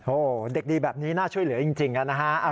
โอ้โหเด็กดีแบบนี้น่าช่วยเหลือจริงนะฮะ